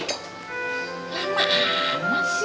lama sih lu